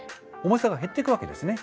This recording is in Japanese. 重さが減っていくわけですね。